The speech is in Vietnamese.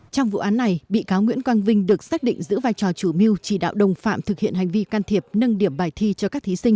trong vụ án này bị cáo nguyễn quang vinh được xác định giữ vai trò chủ mưu chỉ đạo đồng phạm thực hiện hành vi can thiệp nâng điểm bài thi cho các thí sinh